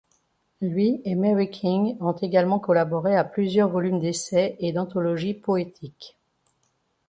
Lui et Mary King ont également collaboré à plusieurs volumes d'essais et d'anthologies poétiques.